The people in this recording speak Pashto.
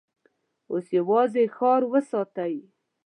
اوس يواځې ښار وساتئ!